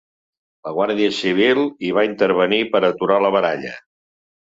La guàrdia civil hi va intervenir per aturar la baralla.